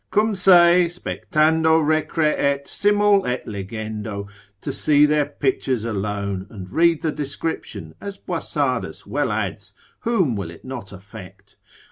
Cum se—spectando recreet simul et legendo, to see their pictures alone and read the description, as Boisardus well adds, whom will it not affect?